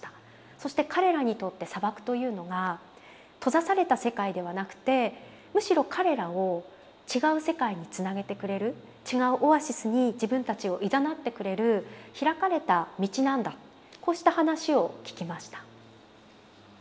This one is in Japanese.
そして彼らにとって砂漠というのが閉ざされた世界ではなくてむしろ彼らを違う世界につなげてくれる違うオアシスに自分たちをいざなってくれる開かれた道なんだこうした話を聞きました。